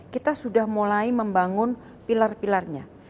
kita sudah mulai membangun pilar pilarnya